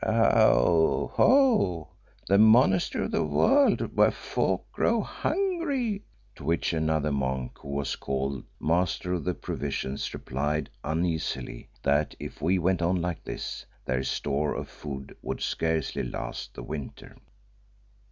"Oho! The Monastery of the World, where folk grow hungry," to which another monk, who was called the "Master of the Provisions," replied uneasily, that if we went on like this, their store of food would scarcely last the winter.